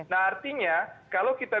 nah artinya kalau kita